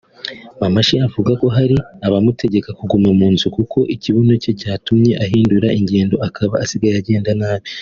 Mamashi avuga ko hari abamutegeka kuguma mu nzu kuko ikibuno cye cyatumye ahindura ingendo akaba asigaye agenda nabi